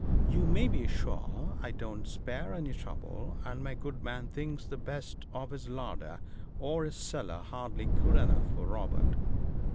You may be sure I don't spare any trouble, and my good man thinks the best of his larder or his celler hardly good enough for Robert.'